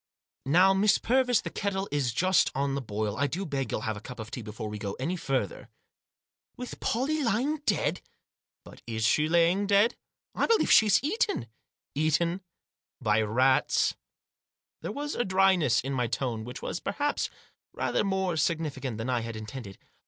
" Now, Miss Purvis, the kettle is just on the boil. I do beg you'll have a cup of tea before we go any further." "With Pollie lying dead ?"" But is she lying dead ?"" I believe she's eaten !" "Eaten?— by rats?" There was a dryness in my tone which was, perhaps, rather more significant than I had intended.